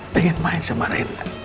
pengen main sama reina